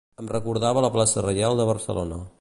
Em recordava la plaça Reial de Barcelona.